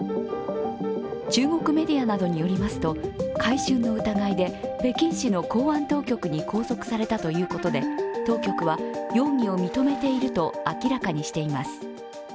中国メディアなどによりますと買春の疑いで北京市の公安当局に拘束されたということで当局は容疑を認めていると明らかにしています。